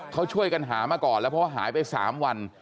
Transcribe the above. เขาช่วยกันหามาก่อนแล้วเพราะว่าหายไป๓วัน